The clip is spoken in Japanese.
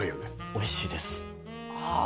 おいしいですあ